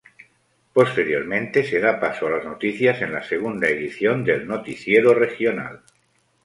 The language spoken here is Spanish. Posteriormente, se da paso a las noticias en la segunda edición del noticiero regional.